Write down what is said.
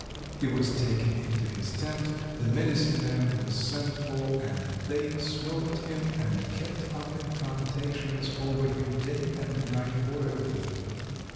He was taken into his tent, the medicine man was sent for and they smoked him and kept up incantations over him day and night for a week.